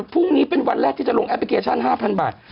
พรุ่งนี้เป็นวันแรกที่จะลงแอปพลิเคชัน๕๐๐บาท